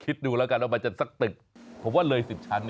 คิดดูแล้วกันว่ามันจะสักตึกผมว่าเลย๑๐ชั้น